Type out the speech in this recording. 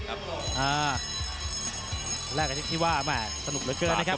อ่าแลกกันที่ว่าสนุกเหลือเกินนะครับ